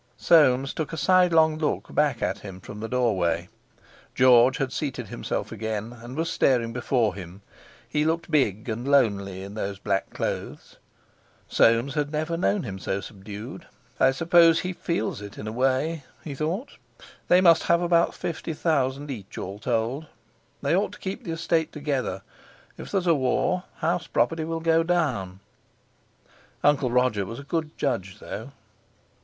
Soames took a sidelong look back at him from the doorway. George had seated himself again and was staring before him; he looked big and lonely in those black clothes. Soames had never known him so subdued. "I suppose he feels it in a way," he thought. "They must have about fifty thousand each, all told. They ought to keep the estate together. If there's a war, house property will go down. Uncle Roger was a good judge, though."